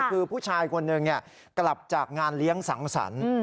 คือผู้ชายคนหนึ่งกลับจากงานเลี้ยงสังสรรค์